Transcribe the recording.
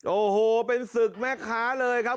โอ้โหเป็นศึกแม่ค้าเลยครับ